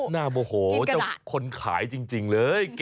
โมโหเจ้าคนขายจริงเลย